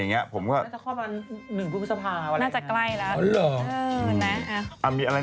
นางจะคลอดมา๑ปฏิบัติภาพอะไรอะ